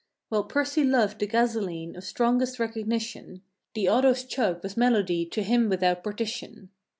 Well Percy loved the gasoline of strongest recogni¬ tion. The auto's chug was melody to him without parti¬ tion.